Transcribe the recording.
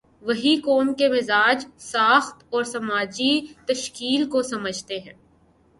وہی قوم کے مزاج، ساخت اور سماجی تشکیل کو سمجھتے ہیں۔